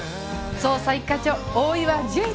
捜査一課長大岩純一！